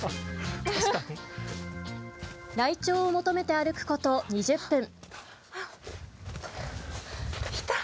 ライチョウを求めて歩くこと２０分。